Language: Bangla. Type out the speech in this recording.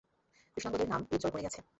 কৃষ্ণাঙ্গদের নাম উজ্জ্বল করে গেছে।